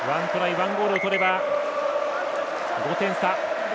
１ゴールをとれば５点差。